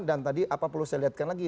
dan tadi apa perlu saya lihatkan lagi